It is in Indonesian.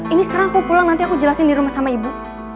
ini sekarang aku pulang nanti aku jelasin di rumah sama ibu